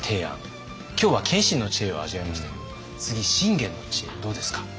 今日は謙信の知恵を味わいましたけど次信玄の知恵どうですか？